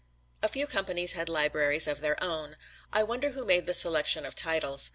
A few companies had libraries of their own. I wonder who made the selection of titles.